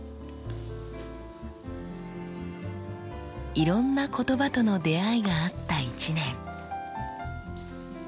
いろんな言葉との出会いがあった１年。